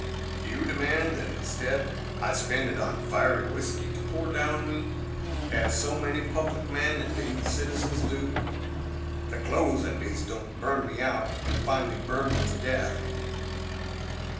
Do you demand that instead I spend it on fiery whisky to pour down me, as so many public men and leading citizens do? The clothes at least don't burn me out and finally burn me to death."